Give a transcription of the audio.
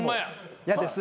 嫌です。